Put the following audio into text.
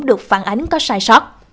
được phản ánh có sai sót